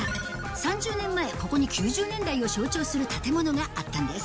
３０年前、ここに９０年代を象徴する建物があったんです。